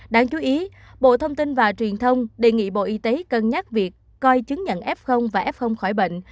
đáng chú ý bộ thông tin và truyền thông đề nghị bộ y tế cân nhắc việc coi chứng nhận f và f khỏi bệnh